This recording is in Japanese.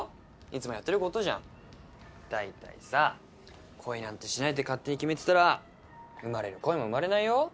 いつもやってることじゃん大体さ恋なんてしないって勝手に決めてたら生まれる恋も生まれないよ？